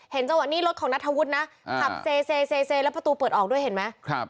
จังหวะนี้รถของนัทธวุฒินะขับเซเซแล้วประตูเปิดออกด้วยเห็นไหม